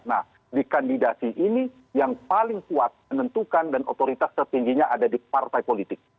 nah di kandidasi ini yang paling kuat menentukan dan otoritas tertingginya ada di partai politik